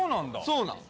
そうなん？